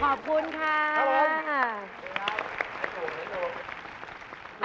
ขอบคุณค่ะ